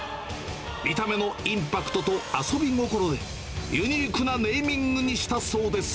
見た目のインパクトと遊び心で、ユニークなネーミングにしたそうです。